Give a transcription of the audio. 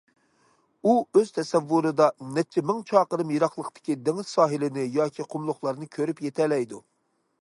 ئۇ ئۆز تەسەۋۋۇرىدا نەچچە مىڭ چاقىرىم يىراقلىقتىكى دېڭىز ساھىلىنى ياكى قۇملۇقلارنى كۆرۈپ يېتەلەيدۇ.